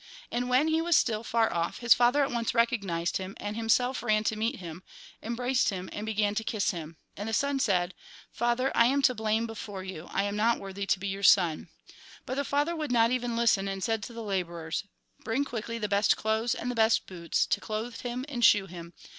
And when he was still far off, his father at once recognised him, and himself ran to meet him, embraced him, and began to kiss him. And the son said :' Father, I am to blame before you, I am not worthy to be your son.' But the father would not even listen, and said to the labourers :' Bring quickly the best clothes and the best boots, to clothe him and shoe him.